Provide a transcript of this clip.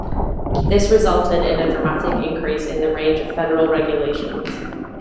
This resulted in a dramatic increase in the range of federal regulations.